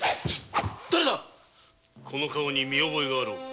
だれだこの顔に見覚えがあろう。